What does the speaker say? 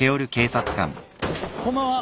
こんばんは。